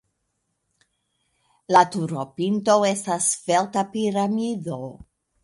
La turopinto estas svelta piramido.